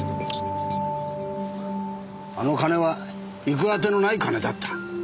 あの金は行くあてのない金だった。